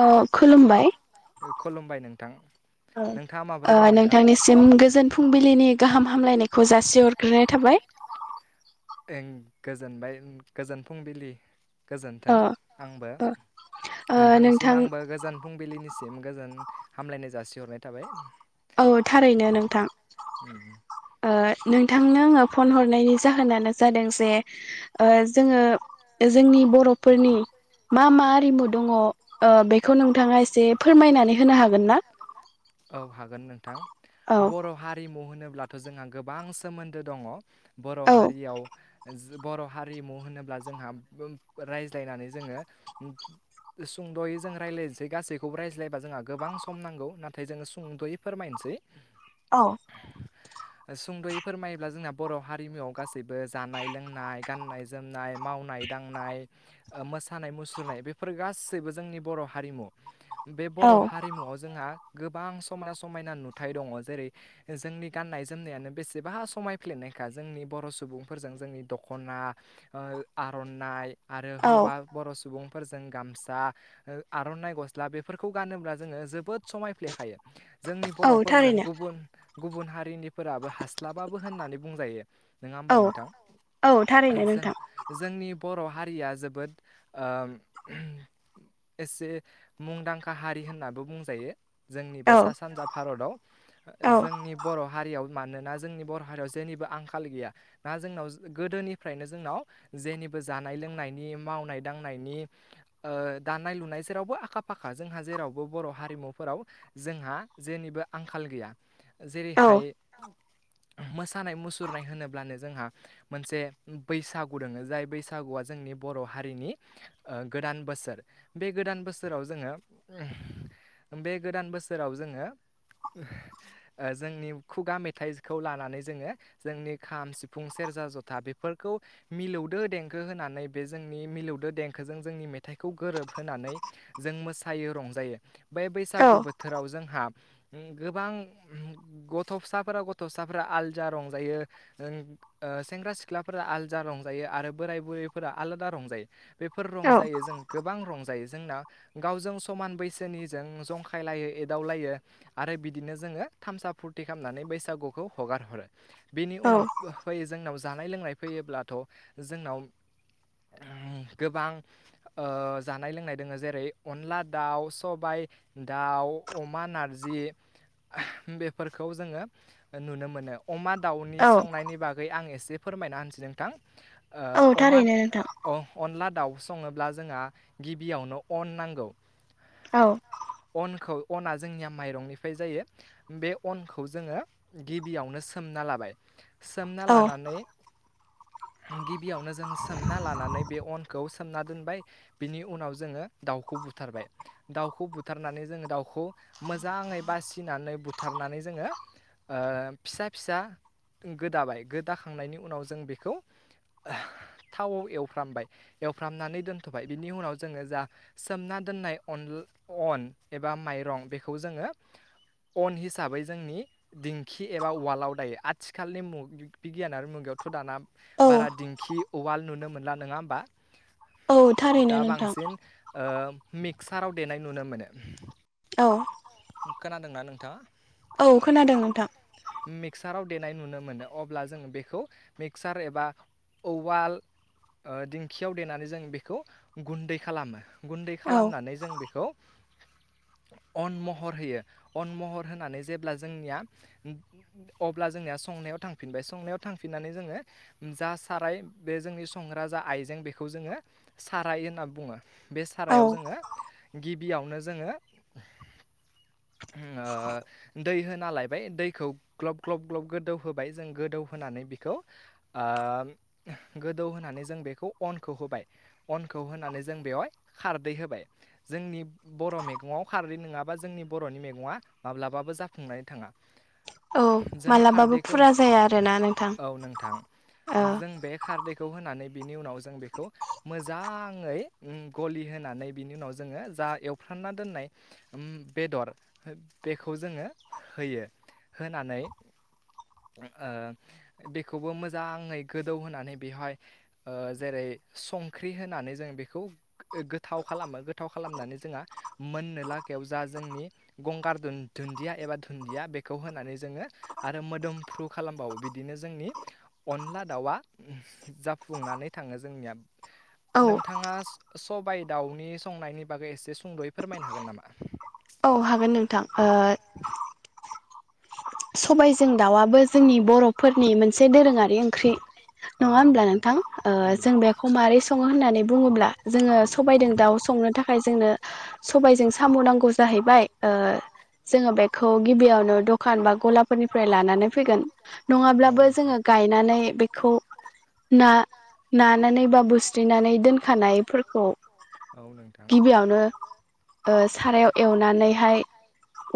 ओ खुलुमबाय नोंथांनिसिम गोजोन फुंबिलिनि गाहाम हामलायनाय खौ जासि हरग्रोनाय थाबाय। ओं गोजोनबाय गोजोन फुंबिलि। गोजोन्थों आंबो नोंथांसिम आंबो गोजोन फुंबिलिनिसि सिम गोजोन हामलायनाय जासिहरनाय थाबाय। औ थारैनो नोंथां। नोंथांनो आंङो फन हरनायनि जाहोनानो जादों जे ओ जोंङो जोंनि बरफोरनि मा मा आरिमु दंङ ओ बेखौ नोंथांङा एसे फोरमायनानै होनो हागोन ना। थां बर हारिमु होनो ब्लाथ जोंहा गोबां सोमोन्दो दंङ। बर हारियाव बर हारिमु होनोब्ला जोंहा रायज्लायनानै जोङो सुंदयै जों रायज्लायनोसै गासैखौबो रायज्लायबा जोंहा गोबां सम नांगौ नाथाय जोंङो सुंदयै फोरमायनोसै औ। सुंदयै फोरमायोब्ला जोंना बर हारिमुआव गासैबो जानाय लोंनाय गाननाय जोमनाय मावनाय दांनाय ओ मोसानाय मुसुरनाय बेफोर गासैबो जोंनि बर हारिमु बे बर हारिमुआव जोंहा गोबां समायना समायना नुथाय दङ जेरै जोंनि गाननाय जोमनायानो बेसेबा समायफ्लेरनायखा जोंनि बर' सुबुंफोरजों जोंनि दख'ना ओ आर'नाइ आरो हौवा बर' सु सुबुंफोरजों गामसा ओ आर'नाइ गस्ला बेफोरखौ गानोब्ला जोङो जोबोद समायफ्लेखायो जोंनि बर'फोरजों गुबुन गुबुन हारिनि फोराबो हास्लाबाबो होननानै बुंजायो ननोङा हबा नोंथां जों जोंनि बर' हारिया जोबोद ओ एसे मुंदांखा हारि होननाबो बुंजायो जोंनि बे सा सानजा भारताव जोंनि बर' हारियाव मानोना जोंनि बर' हारियाव जेनिबो आंखाल गैया ना जोंनाव गोदोनिफ्रायनो जोंनाव जेनिबो जानाय लोंनायनि मावनाय दांनायनि ओ दा दानाय लुनाय जेरावबो आखा फाखा जोंहा जेरावबो बर' हारिमुफोराव जोंहा जेनिबो आंखाल गैया जेरैहाय [unintelligible] सानाय मुसुरनाय होनोब्लानो जोंहा मोनसे बैसागु दङो जाय बैसागुआ जोंनि बर' हारिनि ओ गोदान बोसोर बे गोद बोसोराव जोङो बे गोदान बोसोराव जोङो जोंनि खुगा मेथाइखौ लानानै जोङो जोंनि खाम सिफुं सेरजा जथा बेफोरखौ मिलौदो देंखो होनानै बे जोंनि मिलौदो देंखोजों जोंनि मेथाइखौ गोरोब होनानै जों मोसायो रंजायो बे बैसागु बोथोराव जोंहा गोबां गथ' फिसाफोरा गथ' साफोरा आलजा रंजायो ओम ओ सेंग्रा सिख्लाफोरा आलजा रंजायो आरो बोराय बुरैफोरा आलादा रंजायो बेफोर रं जायो जों गोबां रं जायो जोंना गावजों समान बैसोनिजों जंखायलायो एदावलायो आरो बिदिनो जोङो थामसा फुरथि खालामनानै बैसागुखौ हगार हरो बेनि उनाव फोफैयो जोंनाव जानाय लोंनाय फैयोब्लाथ' जोंनाव उम गोबां ओ जानाय लोंनाय दोङ जेरै अनला दाउ सबाय दाउ अमा नारजि बेफोरखौ जोङो नुनो मोनो अमा दाउनि संनायनि बागै आं एसे फोरमायना होनसै नोंथां ओ अमा ओ अ अनला दाउ सङोब्ला जोंहा गिबियावनो अन नांगौ अनखौ अना जोंनिया माइरंनिफ्राय जायो बे अनखौ जोङो गिबियावनो सोमना लाबाय सोमना लानानै गिबियावनो जों सोमना लानानै बे अनखौ ना दोनबाय बिनि उनाव जोङो दाउखौ बुथारबाय दाउखौ बुथारनानै जोङो दाउखौ मोजाङै बासिनानै बुथारनानै जोङो फिसा फिसा गोदाबाय गोदाखांनायनि उनाव जों बेखौ थावआव एवफ्रामबाय एवफ्रामनानै दोनथ'बाय [unintelligible] बिनि उनाव जोङो जा सोमना दोननाय अन एबा माइरं बेखौ जोङो अन हिसाबै जोंनि दिंखि एबा उवालाव दायो आथिखालनि मुग बिगियानारि मुगायावथ' दाना बारा दिंखि उवाल नुनो मोनला नङा होमबा दा बांसिन मिक्साराव देनाय नुनो मोनो औ खोनादोंना नोंथाङा औ खोनादों नोंथां देनाय नुनो मोनो अब्ला जोंङो बेखौ मिक्सार एबा औवाल दिंखियाव देनानै जों बेखौ गुन्दै खालामो गुन्दै खालामनानै जों बेखौ अन महर महर होयो अन महर होनानै जेब्ला जोंनिया अब्ला जोंनिया संनायाव थांफिनबाय संनायाव थांफिननानै जोङो जा साराय बे जोंनि संग्रा जा आइजें बेखौ जोङो साराय होनना बुङो बे सारायाव जोङो गिबि गिबियावनो जोङो दै होना दैखौ ग्लब ग्लब गोदौ होबाय जों गोदौ होनानै बेखौ गोदौ होनानै जों बेखौ अनखौ होबाय अनखौ होनानै खारदै होबाय बर' मेगङाव बा जोंनि बर'नि मैगङा माब्लाबाबो जाफुंनानै थाङा जों खारदैखौ औ नोंथां जों बे खारदैखौ होनानै बिनि उनाव जों बेखौ मोजाङै गलि होनानै बिनि उनाव जोङो जा एवफ्रामना दोननाय बेदर बेखौ जोङो होयो होनानै बेखौबो मोजाङै गोदौ होनानै बेहाय जेरै संख्रि होनानै जों बेखौ गोथाव खालामो गोथाव खालामनानै जोंहा मोननो ला दा जोंनि गंगार दुन्दिया एबा दुन्दिया बेखौ होनानै जोङो आरो मोदोमफ्रु खालामबावो बिदिनो जोंनि अनला दाउआ जाफुंनानै थाङो जोंनिया नोंथाङा सबायाइ दाउनि संनायनि बागै एसे सुंद'यै फोरमायनो हागोन नामा सबायजों दाउआबो जोंनि बर'फोरनि मोन मोनसे दोरोङारि ओंख्रि नङा होनमब्ला नोंथां जों बेखौ माबोरै सङो होननानै बुङोब्ला जोङो सबायजों दाउ संनो थाखाय जोंनो सबायजों साम' नांगौ जाहैबाय जोङो बेखौ गिबियावनो बा गलाफोरनिफ्राय लानानै फैगोन नङाब्लाबो जोङो गायनानै बेखौ ना नानानै बुस्रिनानै दोनखानायफोरखौ गिबियावनो ओ सारायाव एवनानैहाय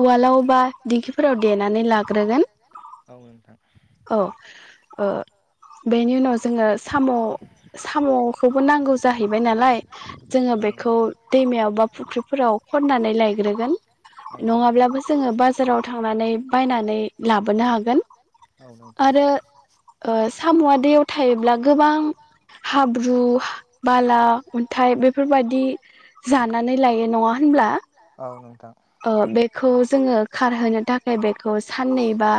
उवालाव बा दिंखिफोराव देनानै लाग्रोगोन औ बेनि उनाव जोङो साम' साम'खौबो नांगौ जाहैबाय नालाय जोङो बेखौ दैमायाव बा फुख्रिफोराव खननानै लायग्रोगोन नङाब्लाबो जोङो बाजाराव थां थांनानै बायनानै लाबोनो हागोन आरो साम'आ दैयाव थायोब्ला गोबां हाब्रु बाला अन्थाइ बेफोरबायदि जानानै लायो नङा होनब्ला बेखौ जोङो खारहोनो थाखाय बेखौ साननै बा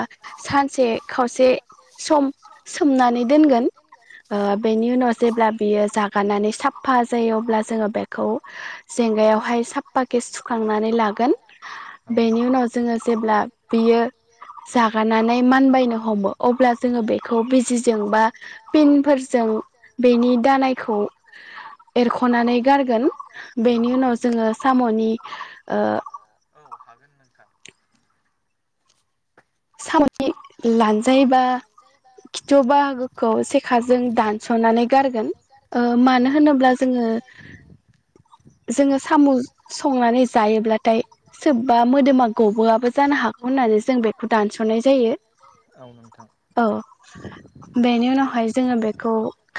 सानसे खावसे सम सोमनानै दोनगोन बेनि उनाव जेब्ला बियो जागारनानै साफा जायो अब्ला जोङो बेखौ जेंगायावहाय साफायै सुखांनानै लागोन बेनि उनाव जोङो जेब्ला बियो जागारनानै मानबायनो हमो अब्ला जोङो बेखौ बिजिजों बा पिनफोरजों बेनि दानायखौ एरख'नानै गारगोन बेनि उनाव जोङो साम'नि ओ आं [unintelligible] साम'नि लानजाइ जायबा खिथु बाहागोखौ सेखाजों दानस'नानै गारगोन ओ मानो होनोब्ला जोङो जोङो साम' संनानै जायोब्लाथाय सोरोबबा मोदोमा गबोआबो जानो हागौ होननानै जों बे खौ दानस'नाय जायो औ बेनि उनावहाय जोङो बेखौ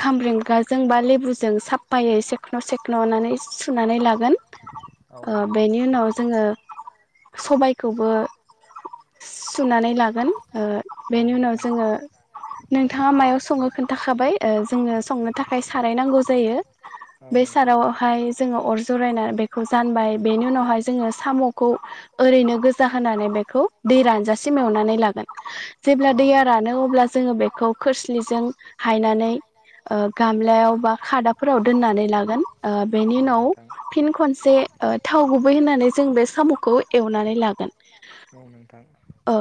खामब्रेंगाजों बा लेबुजों साफफायै सेखन' सेखन'नाश होननानै सुनानै लागोन ओ बेनि उनाव जोङो सबायखौबो सुनानै लागोन बेनि उनाव जोङो नोंथाङा मायाव सङो खिन्थाखाबाय ओ जोङो संनो थाखाय साराय नांगौ जायो बे सारायावहाय जोङो अर जरायना बेखौ जानबाय बेनि उनावहाय जोङो साम'खौ ओरैनो गोजा होनानै बेखौ रानजासे एवनानै लागोन जेब्ला रानो अब्ला जोङो बेखौ खोरस्लिजों हायनानैओ गामलायाव बा खादाफोराव दोननानै लागोन ओ बेनि उनाव फिन खनसे थाव गुबै होननानै जों बे साम'खौ एवनानै लागोन। अ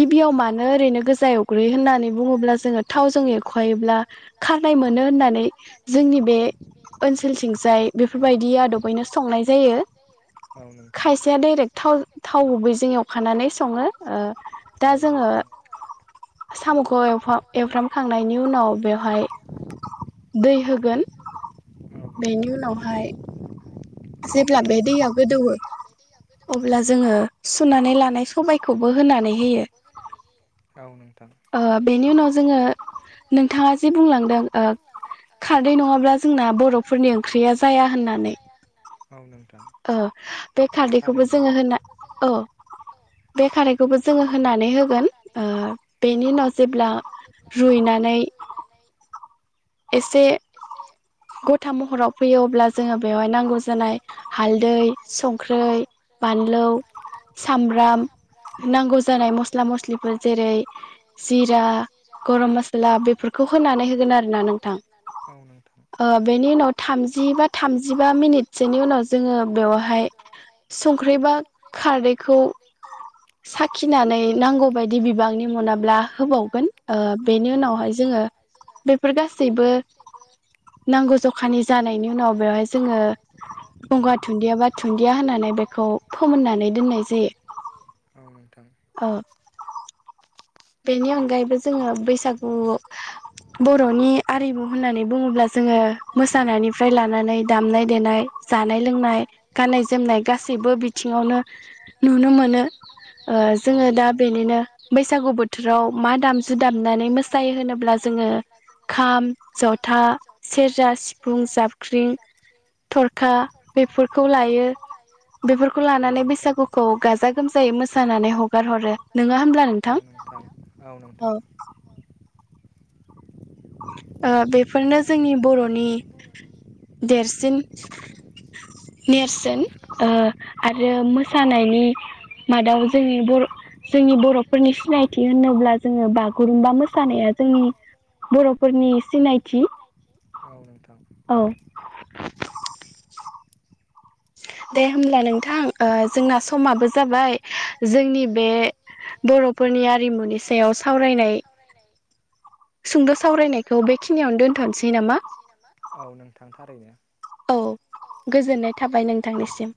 गिबियाव मानो ओरैनो गोस एवग्रोयो होननानै बुङोब्ला जोङो थावजों एवखायोब्ला खारनाय मोनो होन्नानै जोंनि बे ओनसोलथिंजाय बेफोरबायदि आदबैनो संनाय जायो खायसेया दायरेग थाव थाव गुबै जों एवखानानै सङो ओ दा जोङो साम'खौ एल एवफ्रामखांनायनि उनाव बेवहाय दै होगोन बेनि उनावहाय जेब्ला बे दैया गोदौवो अब्ला जोङो सुनानै लानाय सबायखौबो होनानै होयो। ओ बेनि उनाव जोङो नोंथाङा जे बुंलांदों ओ खारदै नङाब्ला जोंना बर'फोरनि ओंख्रिया जाया होननानै। ओ बे खारदैखौबो जोङो होना औ बे खारदैखौबो जोङो होनानै होगोन ओ ओ बेनि उनाव जेब्ला रुइनानै ओ एसे गथा महराव फैयो अब्ला जोङो बेवहाय नांगौ जानाय हालदै संख्रै बानलु सामब्राम नांगौ जानाय मस्ला मस्लिफोर जेरै जिरा गरम मसाला बेफोरखौ होनानै होगोन आरो ना नों ओ बेनि उनाव थामजि बा थामजिबा मिनिटसोनि उनाव जोङो बेवहाय संख्रिबा खारदैखौ साखिनानै नांगौ बाय बि बिबांनि मोनाब्ला होबावगोन बेनि उनावहाय जोङो बेफोर गासैबो गासैबो नांगौ जखानि जानायनि उनाव बेवहाय जोङो गंगार दुन्दिया बा दुन्दिया होननानै बेखौ फोमोननानै दोननाय जायो औ बेनि अनगायैबो जोङो बैसागु बर'नि आरिमु होननानै बुङोब्ला जोङो मोसानायनिफ्राय लानानै दामनाय देनाय जानाय लोंनाय गाननाय जोमनाय गासैबो बिथिङावनो नुनो मोनो जोङो दा बेनिनो बैसागु बोथोराव मा जुदाबनानै मोसायो होनोब्ला जोङो। खाम जथा सेरजा सिफुं जाबख्रिं थरखा बेफोरखौ लायो बेफोरखौ लानानै बैसागुखौ गाजा गोमजायै मोसानानै हगार हरो नङा होमब्ला नोंथां? औ नोंथां। ओ बेफोरनो जोंनि बर'नि देरसिन नेरसोन ओ आरो मोसानायनि मादाव जोंनि बर' जोंनि बर'फोरनि सिनायथि होनोब्ला जोङो बागुरुमबा मोसानाया जोंनि बर' फोरनि सिनायथि। औ नोंथां। औ। दे होमब्ला नों थां जोंना समाबो जाबाय जोंनि बे बर'फोरनि आरिमुनि सायाव सावरायनाय सुंद' सावरायनायखौ बेखिनियावनो दोनथ'नोसै नामा? औ गोजोननाय थाबाय नोंथांनिसिम।